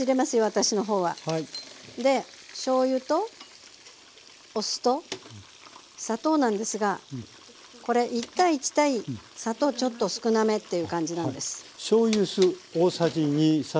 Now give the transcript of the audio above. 私の方は。でしょうゆとお酢と砂糖なんですがこれ１：１砂糖ちょっと少なめっていう感じなんです。